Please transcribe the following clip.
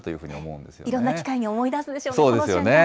いろんな機会に思い出すでしそうですよね。